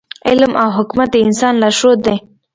علم او حکمت د انسان لارښود دی.